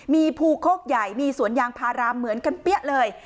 มีภูโคกใหญ่มีสวนยางพารามเหมือนกันเปี้ยเลย